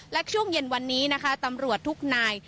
และช่วงเย็นวันนี้นะคะตำรวจทุกนาย